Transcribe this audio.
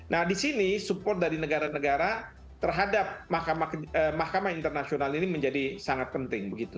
nah di sini support dari negara negara terhadap mahkamah internasional ini menjadi sangat penting begitu